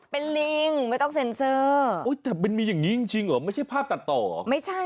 เป็นลิงไม่ต้องเซ็นเซอร์แต่มันมีอย่างนี้จริงหรอไม่ใช่ภาพตัดต่อหรอ